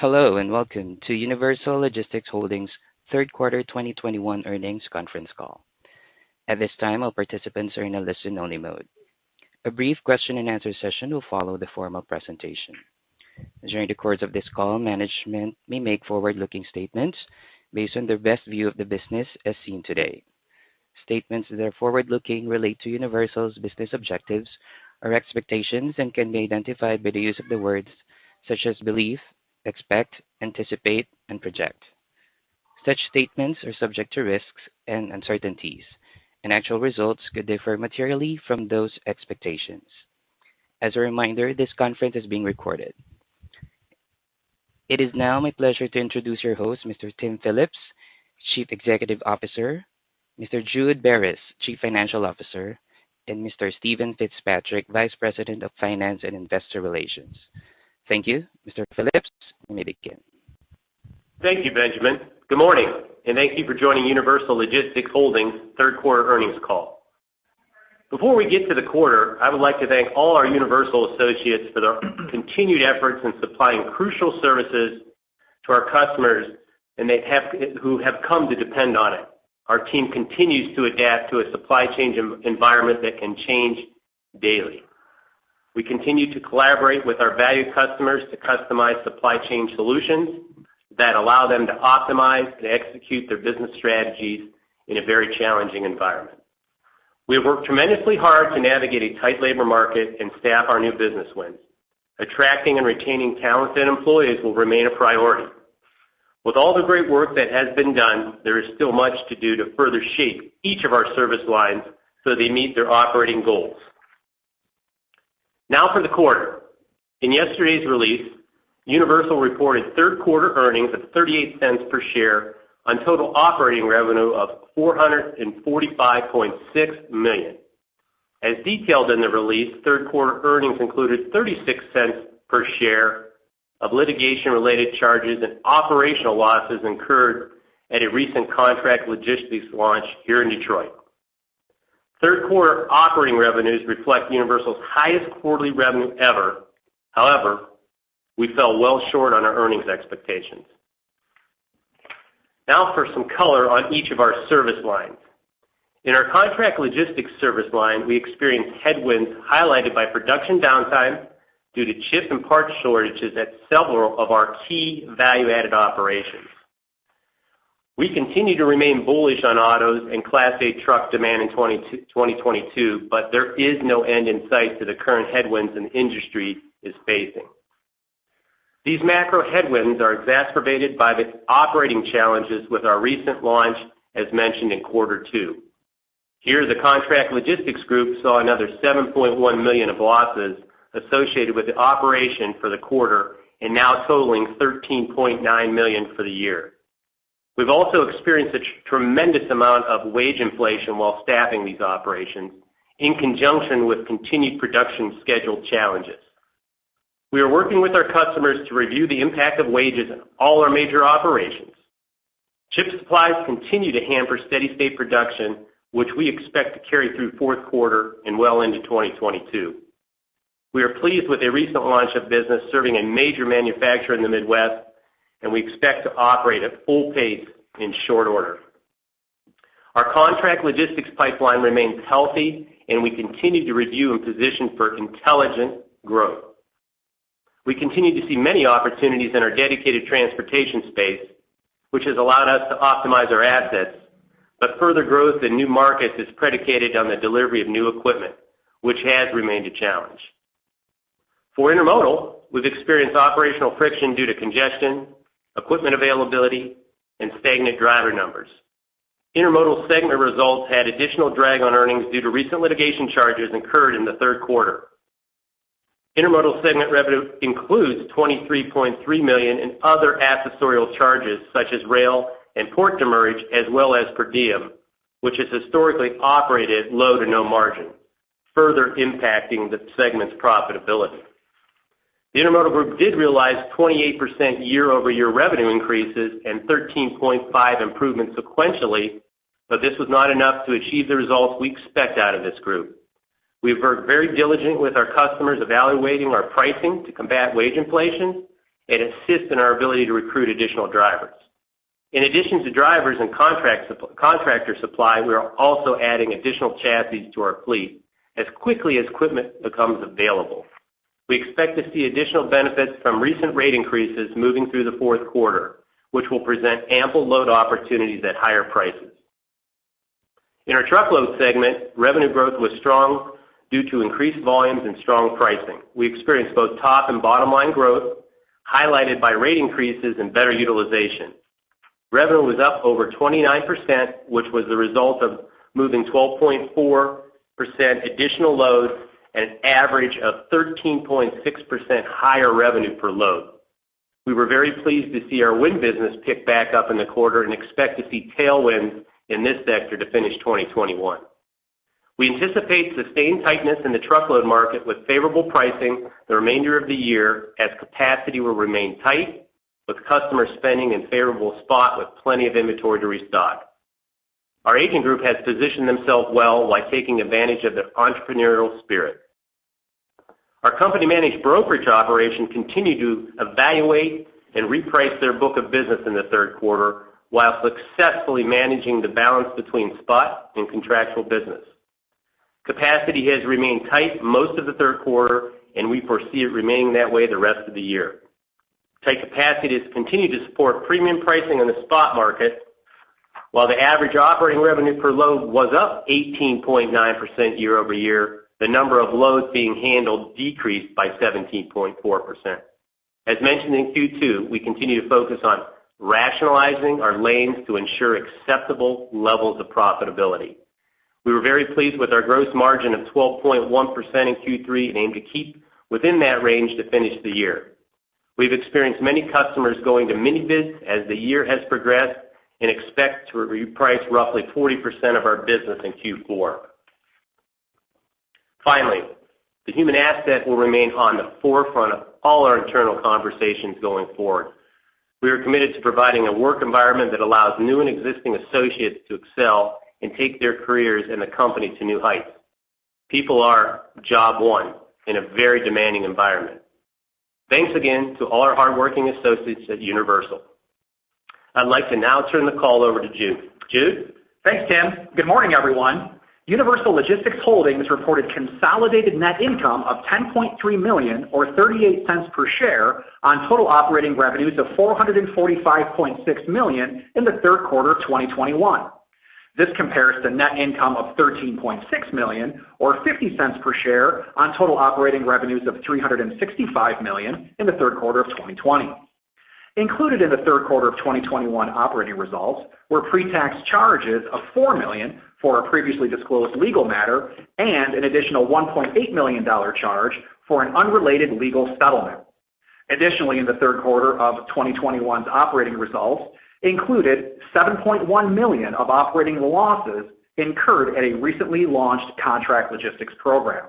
Hello, and welcome to Universal Logistics Holdings Q3 2021 Earnings Conference Call. At this time, all participants are in a listen-only mode. A brief question-and-answer session will follow the formal presentation. During the course of this call, management may make forward-looking statements based on their best view of the business as seen today. Statements that are forward-looking relate to Universal's business objectives or expectations and can be identified by the use of the words such as believe, expect, anticipate, and project. Such statements are subject to risks and uncertainties, and actual results could differ materially from those expectations. As a reminder, this conference is being recorded. It is now my pleasure to introduce your host, Mr. Tim Phillips, Chief Executive Officer, Mr. Jude Beres, Chief Financial Officer, and Mr. Steven Fitzpatrick, Vice President of Finance and Investor Relations. Thank you. Mr. Phillips, you may begin. Thank you, Benjamin. Good morning, and thank you for joining Universal Logistics Holdings third quarter earnings call. Before we get to the quarter, I would like to thank all our Universal associates for their continued efforts in supplying crucial services to our customers, who have come to depend on it. Our team continues to adapt to a supply chain environment that can change daily. We continue to collaborate with our valued customers to customize supply chain solutions that allow them to optimize and execute their business strategies in a very challenging environment. We have worked tremendously hard to navigate a tight labor market and staff our new business wins. Attracting and retaining talented employees will remain a priority. With all the great work that has been done, there is still much to do to further shape each of our service lines so they meet their operating goals. Now for the quarter. In yesterday's release, Universal reported third quarter earnings of $0.38 per share on total operating revenue of $445.6 million. As detailed in the release, third quarter earnings included $0.36 per share of litigation-related charges and operational losses incurred at a recent contract logistics launch here in Detroit. Third quarter operating revenues reflect Universal's highest quarterly revenue ever. However, we fell well short on our earnings expectations. Now for some color on each of our service lines. In our contract logistics service line, we experienced headwinds highlighted by production downtime due to chip and parts shortages at several of our key value-added operations. We continue to remain bullish on autos and Class 8 truck demand in 2022, but there is no end in sight to the current headwinds the industry is facing. These macro headwinds are exacerbated by the operating challenges with our recent launch as mentioned in quarter two. Here, the contract logistics group saw another $7.1 million of losses associated with the operation for the quarter and now totaling $13.9 million for the year. We've also experienced a tremendous amount of wage inflation while staffing these operations in conjunction with continued production schedule challenges. We are working with our customers to review the impact of wages in all our major operations. Chip supplies continue to hamper steady state production, which we expect to carry through fourth quarter and well into 2022. We are pleased with a recent launch of business serving a major manufacturer in the Midwest, and we expect to operate at full pace in short order. Our contract logistics pipeline remains healthy, and we continue to review and position for intelligent growth. We continue to see many opportunities in our dedicated transportation space, which has allowed us to optimize our assets, but further growth in new markets is predicated on the delivery of new equipment, which has remained a challenge. For intermodal, we've experienced operational friction due to congestion, equipment availability, and stagnant driver numbers. Intermodal segment results had additional drag on earnings due to recent litigation charges incurred in the third quarter. Intermodal segment revenue includes $23.3 million in other accessorial charges such as rail and port demurrage, as well as per diem, which has historically operated low to no margin, further impacting the segment's profitability. The intermodal group did realize 28% year-over-year revenue increases and 13.5% improvement sequentially, but this was not enough to achieve the results we expect out of this group. We've worked very diligently with our customers evaluating our pricing to combat wage inflation and assist in our ability to recruit additional drivers. In addition to drivers and contractor and subcontractor supply, we are also adding additional chassis to our fleet as quickly as equipment becomes available. We expect to see additional benefits from recent rate increases moving through the fourth quarter, which will present ample load opportunities at higher prices. In our truckload segment, revenue growth was strong due to increased volumes and strong pricing. We experienced both top and bottom-line growth, highlighted by rate increases and better utilization. Revenue was up over 29%, which was the result of moving 12.4% additional loads at an average of 13.6% higher revenue per load. We were very pleased to see our wind business pick back up in the quarter and expect to see tailwinds in this sector to finish 2021. We anticipate sustained tightness in the truckload market with favorable pricing the remainder of the year as capacity will remain tight with customer spending in favorable spot with plenty of inventory to restock. Our agent group has positioned themselves well by taking advantage of their entrepreneurial spirit. Our company-managed brokerage operation continued to evaluate and reprice their book of business in the third quarter while successfully managing the balance between spot and contractual business. Capacity has remained tight most of the third quarter, and we foresee it remaining that way the rest of the year. Tight capacity has continued to support premium pricing in the spot market. While the average operating revenue per load was up 18.9% year-over-year, the number of loads being handled decreased by 17.4%. As mentioned in Q2, we continue to focus on rationalizing our lanes to ensure acceptable levels of profitability. We were very pleased with our gross margin of 12.1% in Q3 and aim to keep within that range to finish the year. We've experienced many customers going to mini bids as the year has progressed and expect to reprice roughly 40% of our business in Q4. Finally, the human asset will remain on the forefront of all our internal conversations going forward. We are committed to providing a work environment that allows new and existing associates to excel and take their careers and the company to new heights. People are job one in a very demanding environment. Thanks again to all our hardworking associates at Universal. I'd like to now turn the call over to Jude. Jude? Thanks, Tim. Good morning, everyone. Universal Logistics Holdings reported consolidated net income of $10.3 million, or $0.38 per share on total operating revenues of $445.6 million in the third quarter of 2021. This compares to net income of $13.6 million or $0.50 per share on total operating revenues of $365 million in the third quarter of 2020. Included in the third quarter of 2021 operating results were pre-tax charges of $4 million for a previously disclosed legal matter and an additional $1.8 million charge for an unrelated legal settlement. Additionally, in the third quarter of 2021's operating results included $7.1 million of operating losses incurred at a recently launched contract logistics program.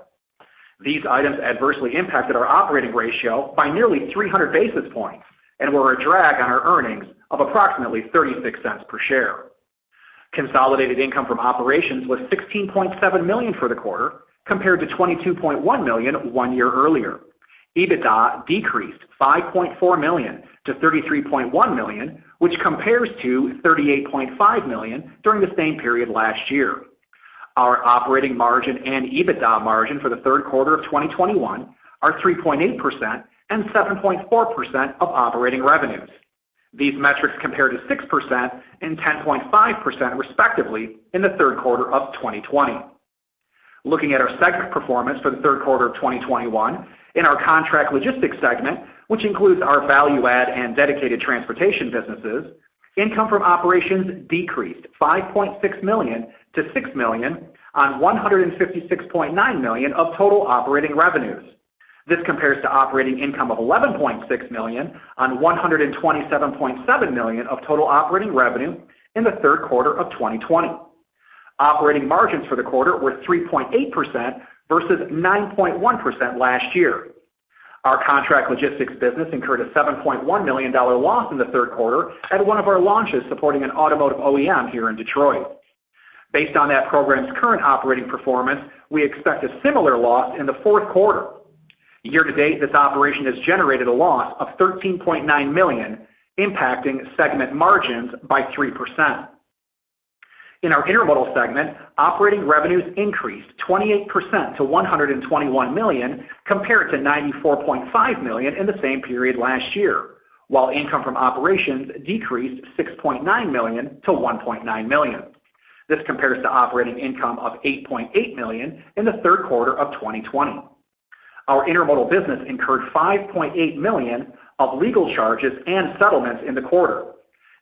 These items adversely impacted our operating ratio by nearly 300 basis points and were a drag on our earnings of approximately 36 cents per share. Consolidated income from operations was $16.7 million for the quarter, compared to $22.1 million one year earlier. EBITDA decreased $5.4 million to $33.1 million, which compares to $38.5 million during the same period last year. Our operating margin and EBITDA margin for the third quarter of 2021 are 3.8% and 7.4% of operating revenues. These metrics compare to 6% and 10.5%, respectively, in the third quarter of 2020. Looking at our segment performance for the third quarter of 2021. In our contract logistics segment, which includes our value-added and dedicated transportation businesses, income from operations decreased $5.6 million-$6 million on $156.9 million of total operating revenues. This compares to operating income of $11.6 million on $127.7 million of total operating revenue in the third quarter of 2020. Operating margins for the quarter were 3.8% versus 9.1% last year. Our contract logistics business incurred a $7.1 million loss in the third quarter at one of our launches supporting an automotive OEM here in Detroit. Based on that program's current operating performance, we expect a similar loss in the fourth quarter. Year to date, this operation has generated a loss of $13.9 million, impacting segment margins by 3%. In our intermodal segment, operating revenues increased 28% to $121 million, compared to $94.5 million in the same period last year, while income from operations decreased $6.9 million-$1.9 million. This compares to operating income of $8.8 million in the third quarter of 2020. Our intermodal business incurred $5.8 million of legal charges and settlements in the quarter.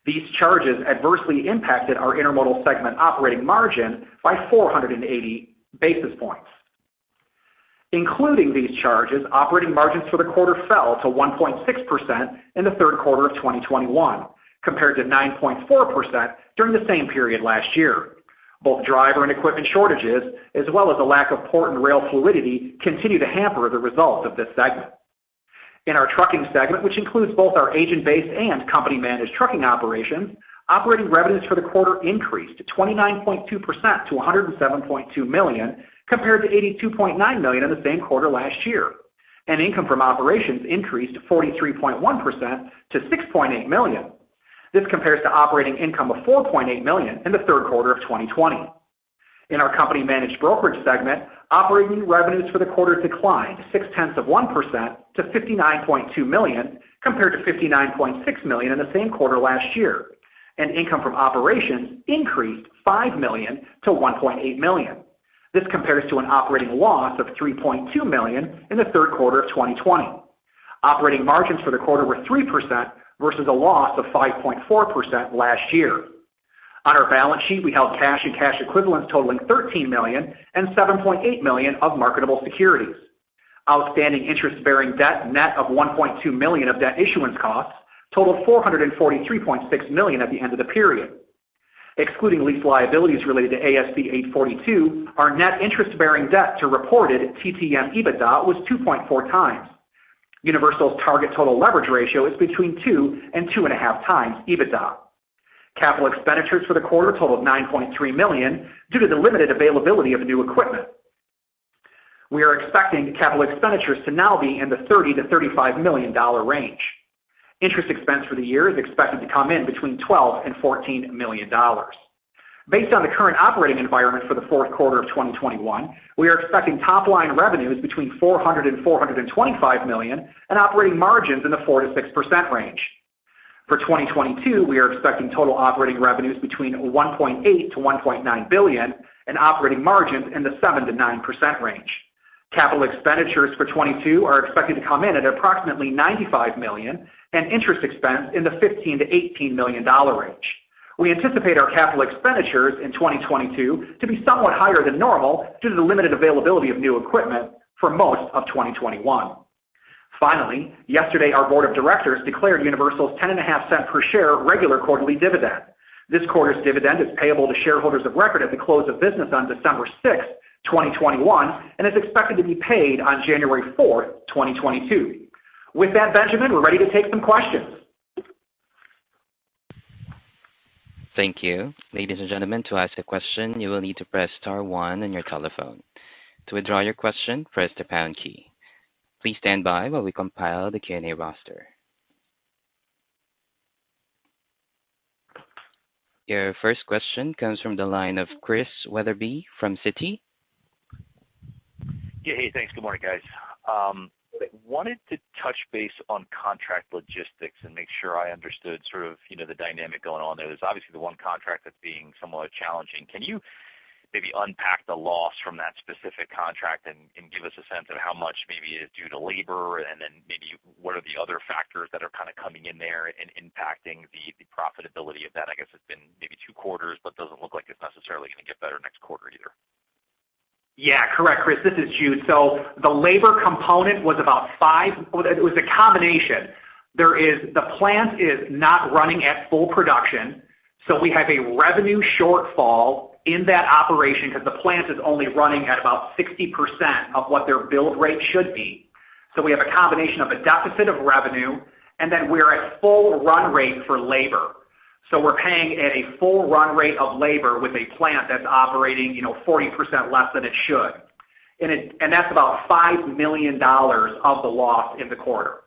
These charges adversely impacted our intermodal segment operating margin by 480 basis points. Including these charges, operating margins for the quarter fell to 1.6% in the third quarter of 2021, compared to 9.4% during the same period last year. Both driver and equipment shortages, as well as a lack of port and rail fluidity, continue to hamper the results of this segment. In our trucking segment, which includes both our agent-based and company-managed trucking operations, operating revenues for the quarter increased 29.2% to $107.2 million, compared to $82.9 million in the same quarter last year, and income from operations increased 43.1% to $6.8 million. This compares to operating income of $4.8 million in the third quarter of 2020. In our company-managed brokerage segment, operating revenues for the quarter declined 0.6% to $59.2 million, compared to $59.6 million in the same quarter last year, and income from operations increased $5 million-$1.8 million. This compares to an operating loss of $3.2 million in the third quarter of 2020. Operating margins for the quarter were 3% versus a loss of 5.4% last year. On our balance sheet, we held cash and cash equivalents totaling $13 million and $7.8 million of marketable securities. Outstanding interest-bearing debt, net of $1.2 million of debt issuance costs, totaled $443.6 million at the end of the period. Excluding lease liabilities related to ASC 842, our net interest-bearing debt to reported TTM EBITDA was 2.4 times. Universal's target total leverage ratio is between 2 and 2.5 times EBITDA. Capital expenditures for the quarter totaled $9.3 million due to the limited availability of new equipment. We are expecting capital expenditures to now be in the $30-$35 million range. Interest expense for the year is expected to come in between $12 million and $14 million. Based on the current operating environment for the fourth quarter of 2021, we are expecting top line revenues between $400 million-$425 million and operating margins in the 4%-6% range. For 2022, we are expecting total operating revenues between $1.8 billion-$1.9 billion and operating margins in the 7%-9% range. Capital expenditures for 2022 are expected to come in at approximately $95 million and interest expense in the $15 million-$18 million range. We anticipate our capital expenditures in 2022 to be somewhat higher than normal due to the limited availability of new equipment for most of 2021. Finally, yesterday our board of directors declared Universal's 10.5 cents per share regular quarterly dividend. This quarter's dividend is payable to shareholders of record at the close of business on December 6, 2021, and is expected to be paid on January 4, 2022. With that, Benjamin, we're ready to take some questions. Thank you. Ladies and gentlemen, to ask a question, you will need to press star one on your telephone. To withdraw your question, press the pound key. Please stand by while we compile the Q&A roster. Your first question comes from the line of Chris Wetherbee from Citi. Yeah. Hey, thanks. Good morning, guys. I wanted to touch base on contract logistics and make sure I understood sort of, you know, the dynamic going on there. There's obviously the one contract that's being somewhat challenging. Can you maybe unpack the loss from that specific contract and give us a sense of how much maybe is due to labor, and then maybe what are the other factors that are kind of coming in there and impacting the profitability of that? I guess it's been maybe two quarters, but doesn't look like it's necessarily gonna get better next quarter either. Yeah. Correct, Chris. This is Jude. The labor component was about five. Well, it was a combination. The plant is not running at full production, so we have a revenue shortfall in that operation because the plant is only running at about 60% of what their build rate should be. We have a combination of a deficit of revenue, and then we're at full run rate for labor. We're paying at a full run rate of labor with a plant that's operating, you know, 40% less than it should. That's about $5 million of the loss in the quarter.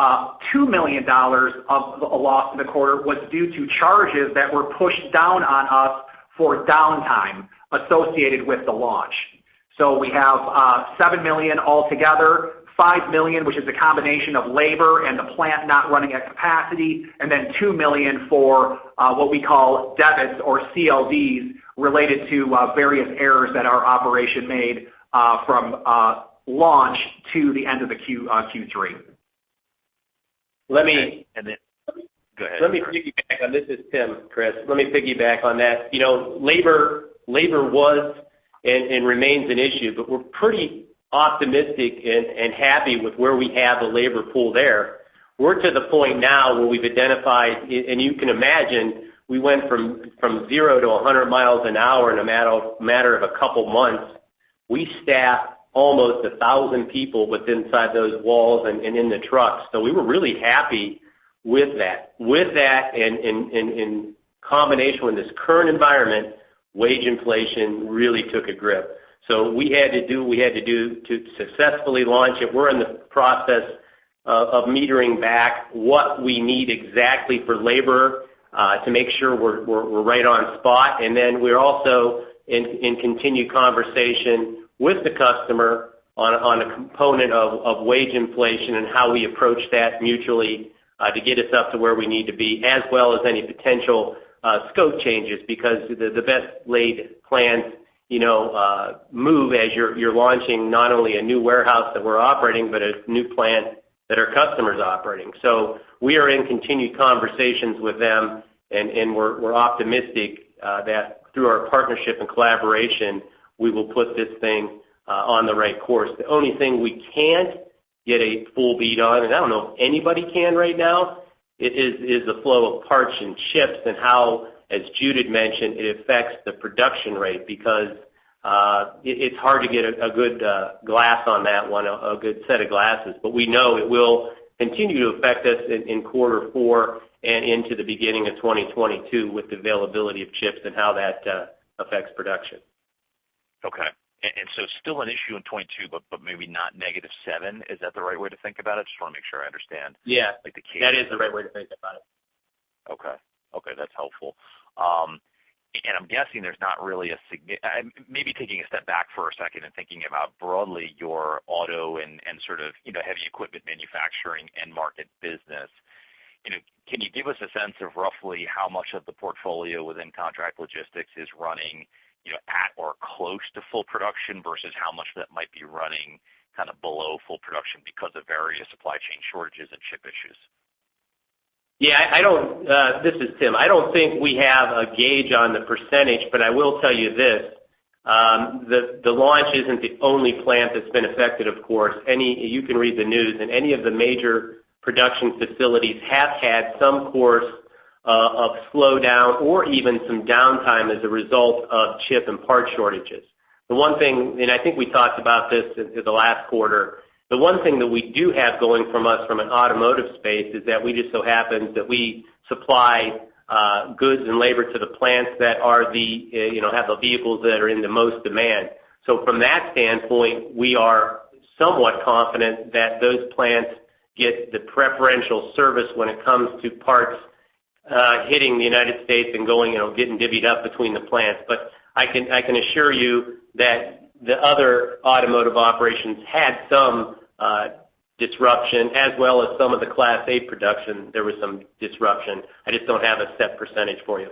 $2 million of the loss in the quarter was due to charges that were pushed down on us for downtime associated with the launch. We have $7 million altogether, $5 million, which is a combination of labor and the plant not running at capacity, and then $2 million for what we call debits or CLDs related to various errors that our operation made from launch to the end of Q3. Okay. Let me- Go ahead, Tim. Let me piggyback. This is Tim, Chris. Let me piggyback on that. You know, labor was and remains an issue, but we're pretty optimistic and happy with where we have the labor pool there. We're to the point now where we've identified. And you can imagine, we went from zero to 100 miles an hour in a matter of a couple months. We staffed almost 1,000 people within those walls and in the trucks. So we were really happy with that. With that and in combination with this current environment, wage inflation really took a grip. So we had to do what we had to do to successfully launch it. We're in the process of metering back what we need exactly for labor to make sure we're right on spot. Then we're also in continued conversation with the customer on a component of wage inflation and how we approach that mutually, to get us up to where we need to be, as well as any potential scope changes because the best laid plans, you know, move as you're launching not only a new warehouse that we're operating, but a new plant that our customer's operating. We are in continued conversations with them, and we're optimistic that through our partnership and collaboration, we will put this thing on the right course. The only thing we can't get a full bead on, and I don't know if anybody can right now, is the flow of parts and chips and how, as Jude had mentioned, it affects the production rate because it's hard to get a good grasp on that one. We know it will continue to affect us in quarter four and into the beginning of 2022 with the availability of chips and how that affects production. Still an issue in 2022 but maybe not -7. Is that the right way to think about it? Just wanna make sure I understand. Yeah like the key. That is the right way to think about it. Okay. Okay, that's helpful. Maybe taking a step back for a second and thinking about broadly your auto and sort of, you know, heavy equipment manufacturing end market business. You know, can you give us a sense of roughly how much of the portfolio within contract logistics is running, you know, at or close to full production versus how much that might be running kind of below full production because of various supply chain shortages and chip issues? I don't think we have a gauge on the percentage, but I will tell you this. The launch isn't the only plant that's been affected, of course. You can read the news, and any of the major production facilities have had some sort of slowdown or even some downtime as a result of chip and part shortages. The one thing, I think we talked about this at the last quarter, the one thing that we do have going for us in an automotive space is that we just happen to supply goods and labor to the plants that are, you know, have the vehicles that are in the most demand. From that standpoint, we are somewhat confident that those plants get the preferential service when it comes to parts hitting the United States and going, you know, getting divvied up between the plants. I can assure you that the other automotive operations had some disruption as well as some of the Class 8 production; there was some disruption. I just don't have a set percentage for you.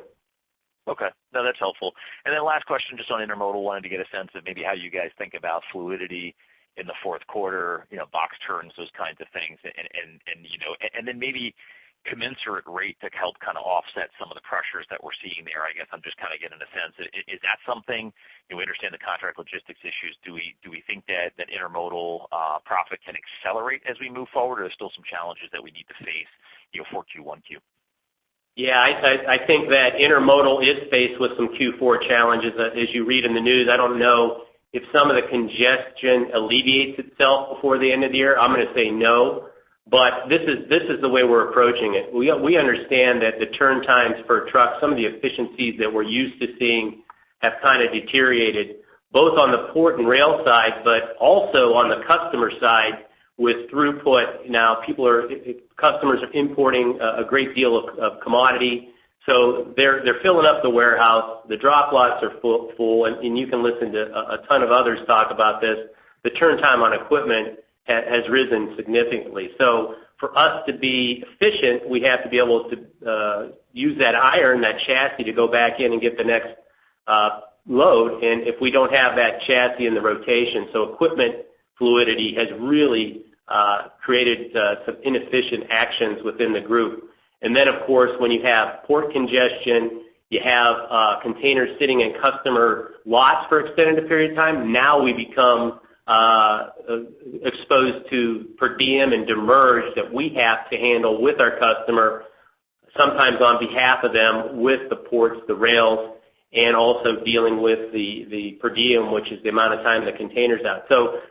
Okay. No, that's helpful. Last question, just on intermodal, wanted to get a sense of maybe how you guys think about fluidity in the fourth quarter, you know, box turns, those kinds of things, and you know, and then maybe commensurate rate to help kind of offset some of the pressures that we're seeing there. I guess I'm just kind of getting a sense. Is that something, you know, we understand the contract logistics issues. Do we think that intermodal profit can accelerate as we move forward, or there's still some challenges that we need to face, you know, for Q1? Yeah, I think that intermodal is faced with some Q4 challenges. As you read in the news, I don't know if some of the congestion alleviates itself before the end of the year. I'm gonna say no, but this is the way we're approaching it. We understand that the turn times for trucks, some of the efficiencies that we're used to seeing have kind of deteriorated, both on the port and rail side, but also on the customer side with throughput. Customers are importing a great deal of commodity. So they're filling up the warehouse, the drop lots are full, and you can listen to a ton of others talk about this. The turn time on equipment has risen significantly. For us to be efficient, we have to be able to use that iron, that chassis to go back in and get the next load, and if we don't have that chassis in the rotation, so equipment fluidity has really created some inefficient actions within the group. Of course, when you have port congestion, you have containers sitting in customer lots for extended period of time, now we become exposed to per diem and demurrage that we have to handle with our customer, sometimes on behalf of them, with the ports, the rails, and also dealing with the per diem, which is the amount of time the container's out.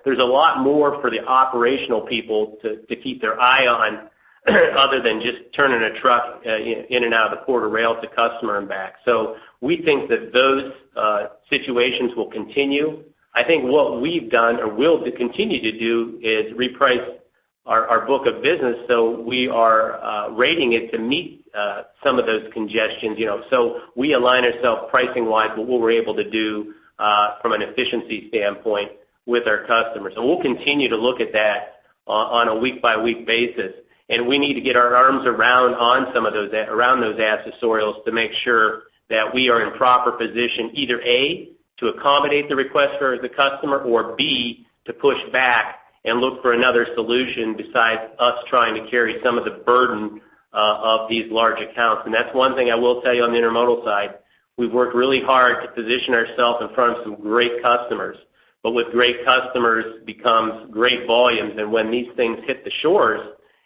There's a lot more for the operational people to keep their eye on other than just turning a truck in and out of the port or rail to customer and back. We think that those situations will continue. I think what we've done or will continue to do is reprice our book of business, so we are rating it to meet some of those congestions, you know. We align ourselves pricing-wise with what we're able to do from an efficiency standpoint with our customers. We'll continue to look at that on a week-by-week basis, and we need to get our arms around on some of those, around those accessorials to make sure that we are in proper position, either A, to accommodate the request for the customer, or B, to push back and look for another solution besides us trying to carry some of the burden of these large accounts. That's one thing I will tell you on the intermodal side. We've worked really hard to position ourselves in front of some great customers. With great customers becomes great volumes, and when these things hit the shores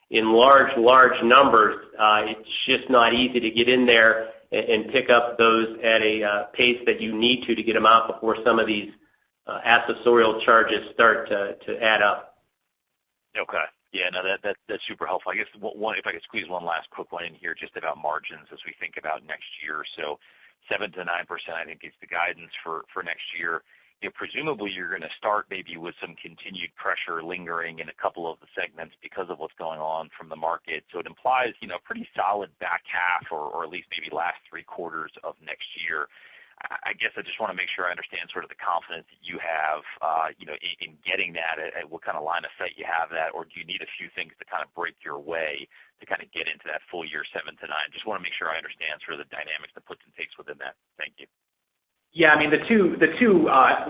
in large numbers, it's just not easy to get in there and pick up those at a pace that you need to get them out before some of these accessorial charges start to add up. Okay. Yeah, no, that's super helpful. I guess one if I could squeeze one last quick one in here just about margins as we think about next year. Seven to nine percent, I think, is the guidance for next year. You know, presumably you're gonna start maybe with some continued pressure lingering in a couple of the segments because of what's going on from the market. It implies, you know, pretty solid back half or at least maybe last three quarters of next year. I guess I just want to make sure I understand sort of the confidence that you have, you know, in getting that, at what kind of line of sight you have that, or do you need a few things to kind of break your way to kind of get into that full year seven to nine? Just want to make sure I understand sort of the dynamics, the puts and takes within that. Thank you. Yeah. I mean, the two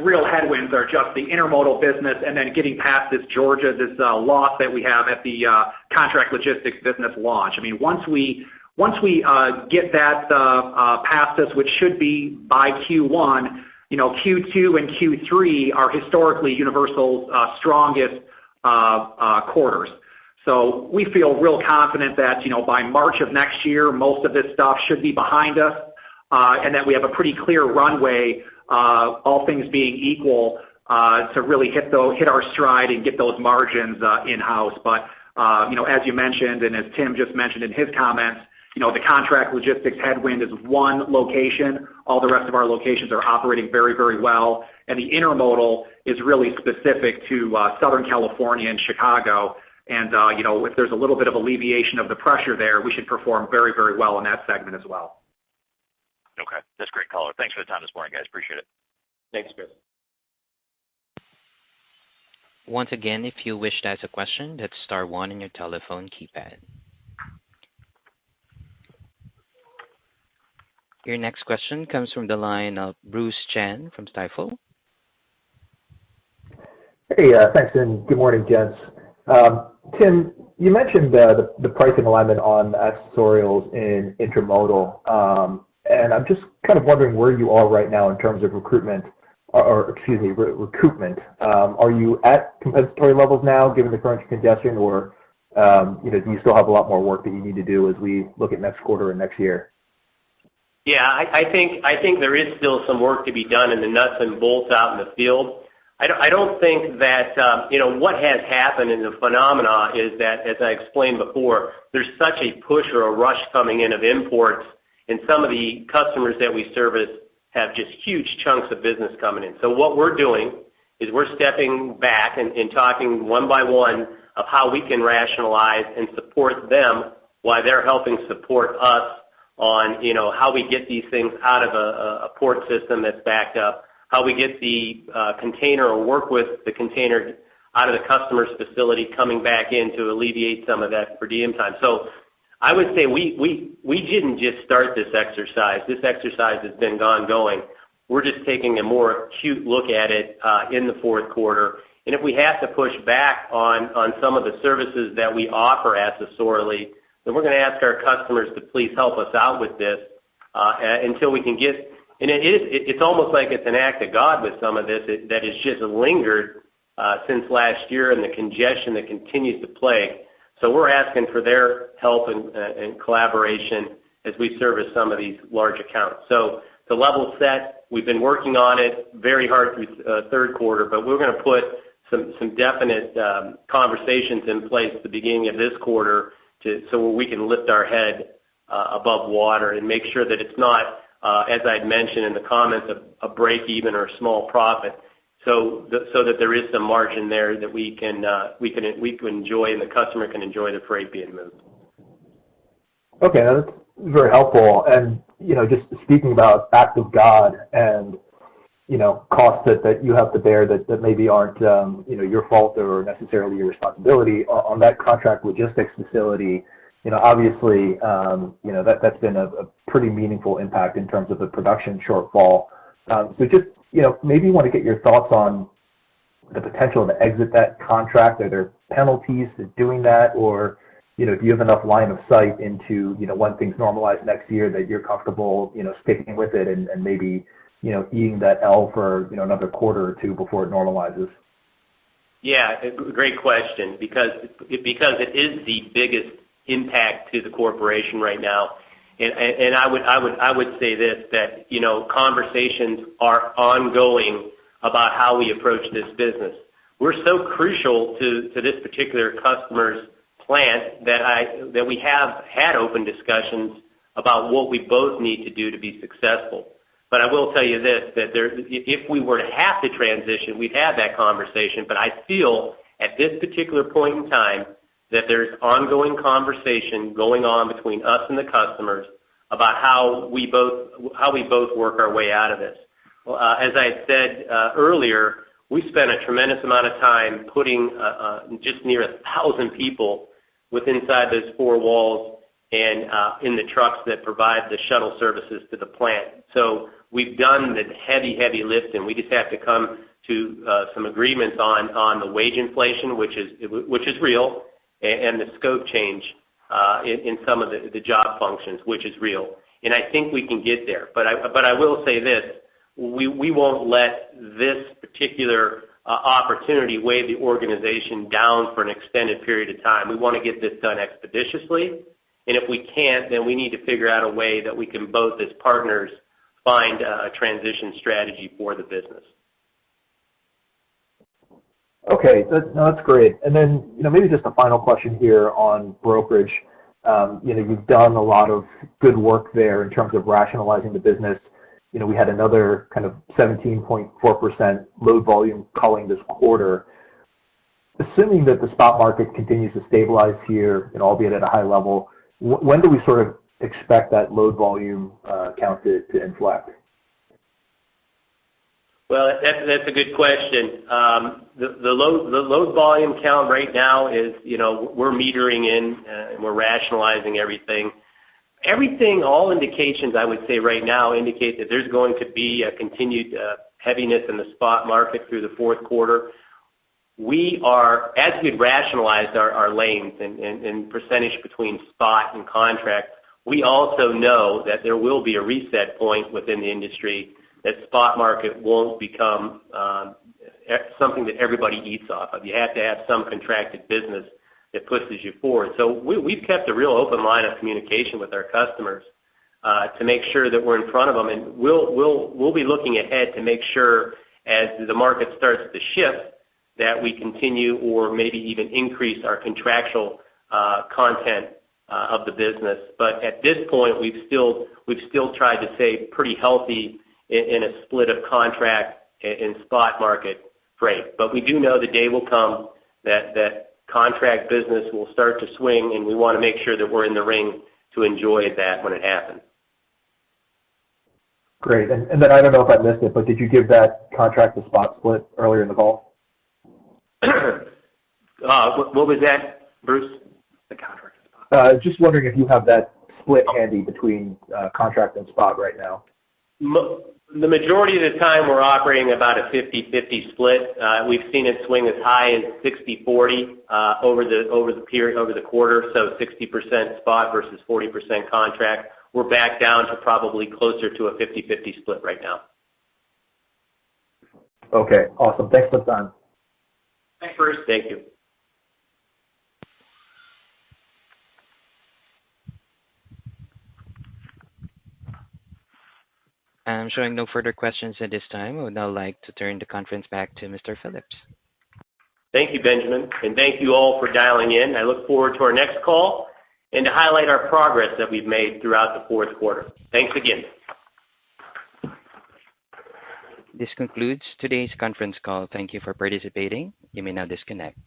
real headwinds are just the intermodal business and then getting past this Detroit loss that we have at the contract logistics business launch. I mean, once we get that past us, which should be by Q1, you know, Q2 and Q3 are historically Universal's strongest quarters. So we feel real confident that, you know, by March of next year, most of this stuff should be behind us, and that we have a pretty clear runway, all things being equal, to really hit our stride and get those margins in-house. You know, as you mentioned, and as Tim just mentioned in his comments, you know, the contract logistics headwind is one location. All the rest of our locations are operating very, very well, and the intermodal is really specific to Southern California and Chicago. You know, if there's a little bit of alleviation of the pressure there, we should perform very, very well in that segment as well. Okay. That's great color. Thanks for the time this morning, guys. Appreciate it. Thanks, Chris. Once again, if you wish to ask a question, hit star one on your telephone keypad. Your next question comes from the line of Bruce Chan from Stifel. Hey, thanks, and good morning, gents. Tim, you mentioned the pricing alignment on accessorials in intermodal. I'm just kind of wondering where you are right now in terms of recoupment. Are you at compensatory levels now given the current congestion? Or, you know, do you still have a lot more work that you need to do as we look at next quarter and next year? Yeah. I think there is still some work to be done in the nuts and bolts out in the field. I don't think that, you know, what has happened in the phenomenon is that, as I explained before, there's such a push or a rush coming in of imports, and some of the customers that we service have just huge chunks of business coming in. What we're doing is we're stepping back and talking one by one of how we can rationalize and support them while they're helping support us on, you know, how we get these things out of a port system that's backed up, how we get the container or work with the container out of the customer's facility coming back in to alleviate some of that per diem time. I would say we didn't just start this exercise. This exercise has been ongoing. We're just taking a more acute look at it in the fourth quarter. If we have to push back on some of the services that we offer as a sort of lead, then we're gonna ask our customers to please help us out with this until we can get it. It's almost like it's an act of God with some of this that it's just lingered since last year and the congestion that continues to play. We're asking for their help and collaboration as we service some of these large accounts. The level set, we've been working on it very hard through third quarter, but we're gonna put some definite conversations in place at the beginning of this quarter so we can lift our head above water and make sure that it's not, as I'd mentioned in the comments, a break-even or a small profit. That there is some margin there that we can enjoy and the customer can enjoy the freight being moved. Okay. That's very helpful. You know, just speaking about acts of God and, you know, costs that you have to bear that maybe aren't, you know, your fault or necessarily your responsibility, on that contract logistics facility, you know, obviously, you know, that's been a pretty meaningful impact in terms of the production shortfall. Just, you know, maybe wanna get your thoughts on the potential to exit that contract. Are there penalties to doing that? Or, you know, do you have enough line of sight into, you know, when things normalize next year that you're comfortable, you know, sticking with it and maybe, you know, eating that L for, you know, another quarter or two before it normalizes? Yeah. A great question because it is the biggest impact to the corporation right now. I would say this, that, you know, conversations are ongoing about how we approach this business. We're so crucial to this particular customer's plant that we have had open discussions about what we both need to do to be successful. I will tell you this. If we were to have to transition, we'd have that conversation, but I feel at this particular point in time that there's ongoing conversation going on between us and the customers about how we both work our way out of this. As I said earlier, we spent a tremendous amount of time putting just near 1,000 people within those four walls and in the trucks that provide the shuttle services to the plant. We've done the heavy lifting. We just have to come to some agreements on the wage inflation, which is real, and the scope change in some of the job functions, which is real. I think we can get there. I will say this, we won't let this particular opportunity weigh the organization down for an extended period of time. We wanna get this done expeditiously. If we can't, then we need to figure out a way that we can both, as partners, find a transition strategy for the business. Okay. That's great. You know, maybe just a final question here on brokerage. You know, you've done a lot of good work there in terms of rationalizing the business. You know, we had another kind of 17.4% load volume culling this quarter. Assuming that the spot market continues to stabilize here and albeit at a high level, when do we sort of expect that load volume count to inflect? Well, that's a good question. The load volume count right now is, you know, we're metering in, we're rationalizing everything. Everything, all indications I would say right now indicate that there's going to be a continued heaviness in the spot market through the fourth quarter. We are, as we've rationalized our lanes and percentage between spot and contract, we also know that there will be a reset point within the industry, that spot market won't become something that everybody eats off of. You have to have some contracted business that pushes you forward. We've kept a real open line of communication with our customers to make sure that we're in front of them. We'll be looking ahead to make sure as the market starts to shift, that we continue or maybe even increase our contractual content of the business. At this point, we've still tried to stay pretty healthy in a split of contract and spot market frame. We do know the day will come that contract business will start to swing, and we wanna make sure that we're in the ring to enjoy that when it happens. Great. I don't know if I missed it, but did you give that contract to spot split earlier in the call? What was that, Bruce? The contract to spot. Just wondering if you have that split handy between contract and spot right now? Most of the time we're operating about a 50/50 split. We've seen it swing as high as 60/40 over the quarter, so 60% spot versus 40% contract. We're back down to probably closer to a 50/50 split right now. Okay. Awesome. Thanks for time. Thanks, Bruce. Thank you. I'm showing no further questions at this time. I would now like to turn the conference back to Mr. Phillips. Thank you, Benjamin, and thank you all for dialing in. I look forward to our next call and to highlight our progress that we've made throughout the fourth quarter. Thanks again. This concludes today's conference call. Thank you for participating. You may now disconnect.